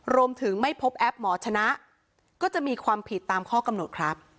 รวมถึงไม่พบแอปหมอชนะก็จะมีความผิดตามข้อกำหนดครับ